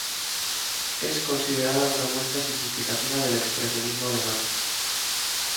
Es considerada una muestra significativa del expresionismo alemán.